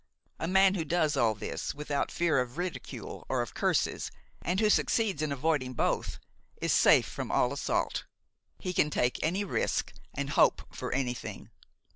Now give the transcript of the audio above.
A man who does all this without fear of ridicule or of curses, and who succeeds in avoiding both, is safe from all assault; he can take any risk and hope for anything.